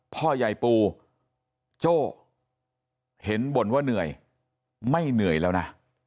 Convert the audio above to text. พ่อใหญ่ปูโจ้เห็นบ่นว่าเหนื่อยไม่เหนื่อยแล้วนะ